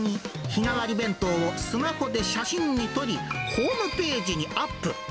日替わり弁当をスマホで写真に撮り、ホームページにアップ。